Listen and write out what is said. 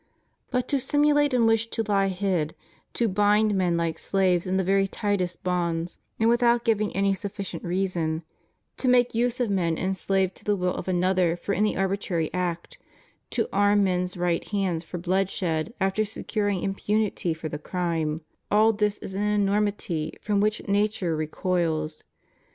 But to simulate and wish to lie hid; to bind men Uke slaves in the very tightest bonds, and without giving any sufficient reason; to make use of men enslaved to the will of another for any arbitrary act; to arm men's right hands for bloodshed after securing impunity for the crime — all this is an enormity from which nature recoils.